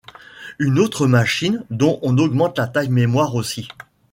Une autre machine dont on augmente la taille mémoire aussi.